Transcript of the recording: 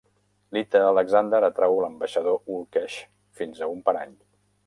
Lyta Alexander atrau l'ambaixador Ulkesh fins a un parany.